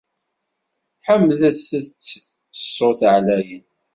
Ḥemdet- t s ṣṣut ɛlayen!